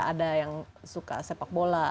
ada yang suka sepak bola